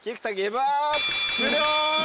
終了！